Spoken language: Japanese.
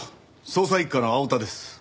捜査一課の青田です。